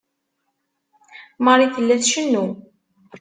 Marie tella tcennu.